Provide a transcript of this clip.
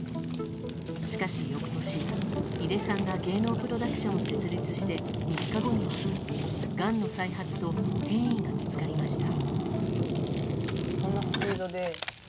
しかし翌年、井出さんが芸能プロダクションを設立して３日後には、がんの再発と転移が見つかりました。